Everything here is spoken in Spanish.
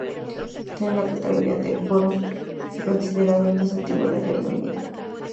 Tiene la categoría de "borough", considerado el más antiguo de Reino Unido.